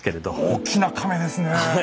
大きな甕ですねえ。